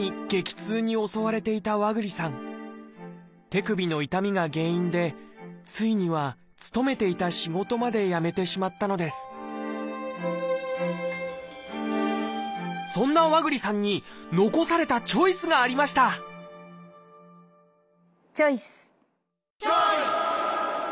手首の痛みが原因でついには勤めていた仕事まで辞めてしまったのですそんな和栗さんに残されたチョイスがありましたチョイス！